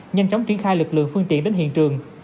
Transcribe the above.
nhanh chóng triển khai lực lượng phương tiện đến hiện trường